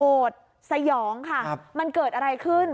สยองค่ะมันเกิดอะไรขึ้น